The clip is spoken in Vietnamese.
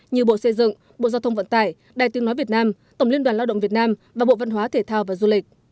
như bộ xây dựng bộ giao thông vận tải đài tiếng nói việt nam tổng liên đoàn lao động việt nam và bộ văn hóa thể thao và du lịch